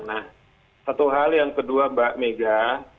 nah satu hal yang kedua mbak mega